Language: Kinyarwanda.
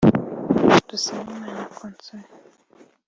Dusabimana Consolé